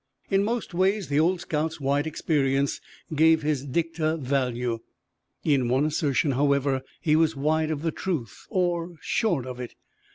In most ways the old scout's wide experience gave his dicta value. In one assertion, however, he was wide of the truth, or short of it.